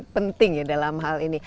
penting ya dalam hal ini